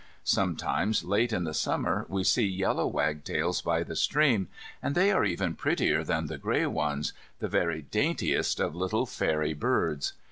Sometimes late in the summer we see yellow wagtails by the stream, and they are even prettier than the grey ones, the very daintiest of little fairy birds.